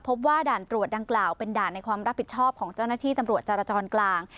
ว่าด่านตรวจดังกล่าวเป็นด่านในความรับผิดชอบของเจ้าหน้าที่ตำรวจจารจรกลาง